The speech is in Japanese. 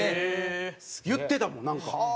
言ってたもんなんか。